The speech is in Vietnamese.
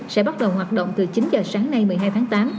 sẽ bắt đầu hoạt động từ chín giờ sáng nay một mươi hai tháng tám